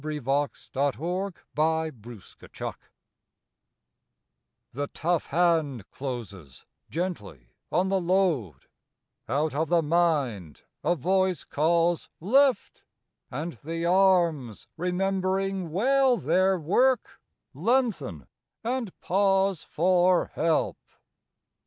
62 MAN CARRYING BALE r I ^HE tough hand closes gently on the load ; X Out of the mind, a voice Calls " Lift !" and the arms, remembering well their work, Lengthen and pause for help.